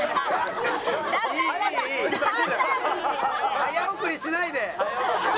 早送りしないで。